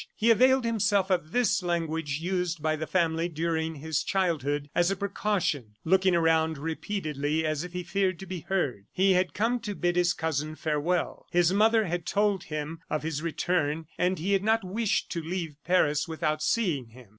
He availed himself of this language used by the family during his childhood, as a precaution, looking around repeatedly as if he feared to be heard. He had come to bid his cousin farewell. His mother had told him of his return, and he had not wished to leave Paris without seeing him.